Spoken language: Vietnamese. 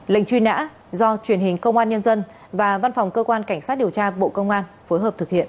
lệnh truy nã do truyền hình công an nhân dân và văn phòng cơ quan cảnh sát điều tra bộ công an phối hợp thực hiện